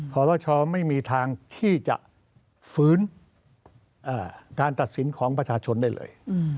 ขอรชไม่มีทางที่จะฝืนการตัดสินของประชาชนได้เลย